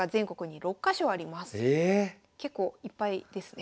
結構いっぱいですね。